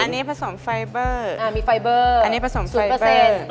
แต่อันนี้ผสมไฟเบอร์อ่ามีไฟเบอร์อันนี้ผสมไฟเบอร์ศูนย์เปอร์เซ็นต์